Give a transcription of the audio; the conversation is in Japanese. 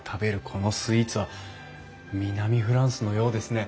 このスイーツは南フランスのようですね！